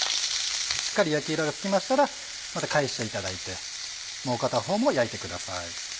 しっかり焼き色がつきましたらまた返していただいてもう片方も焼いてください。